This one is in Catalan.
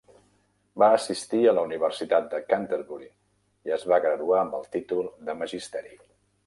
Va assistir a la Universitat de Canterbury i es va graduar amb el Títol de Magisteri.